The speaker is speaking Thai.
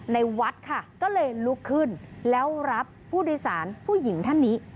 วัดค่ะก็เลยลุกขึ้นแล้วรับผู้โดยสารผู้หญิงท่านนี้